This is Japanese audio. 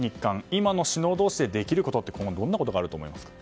今の首脳でできることって、今後どんなことがあると思いますか？